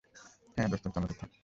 হ্যাঁ, দোস্ত, চালাতে থাক।